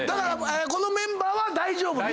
このメンバーは大丈夫⁉見た目。